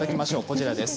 こちらです。